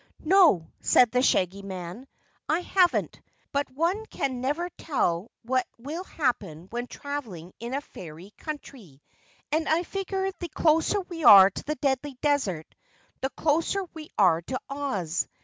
"No," said the Shaggy Man, "I haven't. But one can never tell what will happen when traveling in a fairy country, and I figure the closer we are to the Deadly Desert, the closer we are to Oz.